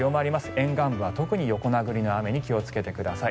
沿岸部は特に横殴りの雨に気をつけてください。